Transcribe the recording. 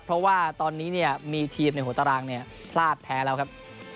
เพราะว่าตอนนี้เนี่ยมีทีมในหัวตารางเนี่ยพลาดแพ้แล้วครับ